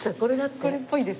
これっぽいです。